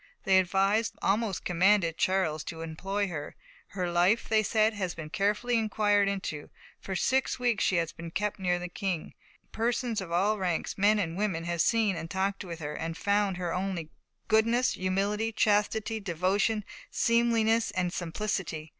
They advised, almost commanded, Charles to employ her. Her life, they said, has been carefully inquired into; for six weeks she has been kept near the King; persons of all ranks, men and women, have seen and talked with her, and have found in her only "goodness, humility, chastity, devotion, seemliness and simplicity."